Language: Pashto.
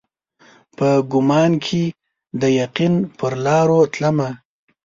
په ګمان کښي د یقین پرلارو تلمه